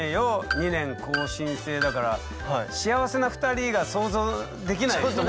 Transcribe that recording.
「２年更新制」だから幸せな２人が想像できないですよね。